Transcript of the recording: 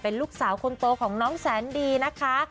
ลูกสาวคนโตของน้องแสนดีนะคะ